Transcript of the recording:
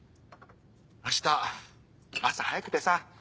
明日朝早くてさ。